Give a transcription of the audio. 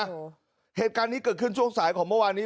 โอ้โหเหตุการณ์นี้เกิดขึ้นช่วงสายของเมื่อวานนี้